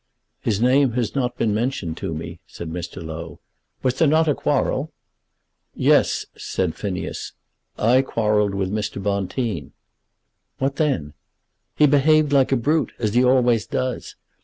"His name has not been mentioned to me," said Mr. Low. "Was there not a quarrel?" "Yes;" said Phineas. "I quarrelled with Mr. Bonteen." "What then?" "He behaved like a brute; as he always does.